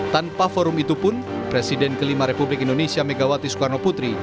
tanpa forum itu pun presiden kelima republik indonesia megawati soekarno putri